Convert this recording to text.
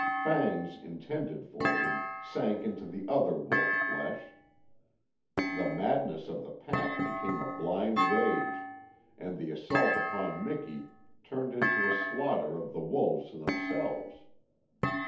Fangs intended for him sank into other wolf flesh; the madness of the pack became a blind rage, and the assault upon Miki turned into a slaughter of the wolves themselves.